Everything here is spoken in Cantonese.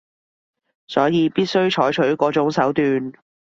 所以必須採取嗰種手段